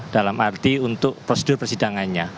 dalam arti untuk prosedur persidangannya